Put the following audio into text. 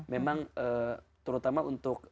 memang terutama untuk